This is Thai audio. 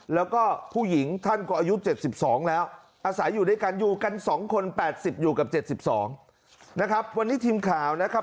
แล้วก็ผู้หญิงท่านก็อายุ๗๒แล้วอาศัยอยู่ด้วยกันอยู่กัน๒คน๘๐อยู่กับ๗๒นะครับวันนี้ทีมข่าวนะครับ